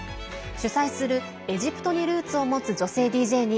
主催するエジプトにルーツを持つ女性ＤＪに